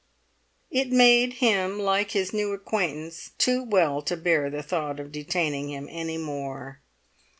It made him like his new acquaintance too well to bear the thought of detaining him any more.